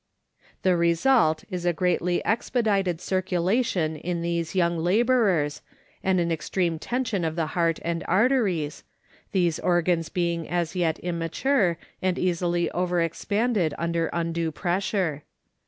The result is a greatly expedited cir culation in these young laborers and an extreme tension of the heart and arteries, these organs being as yet immature and easily over expanded under undue pressure.